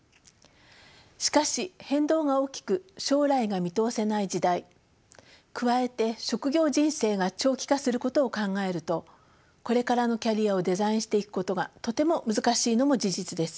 しかし変動が大きく将来が見通せない時代加えて職業人生が長期化することを考えるとこれからのキャリアをデザインしていくことがとても難しいのも事実です。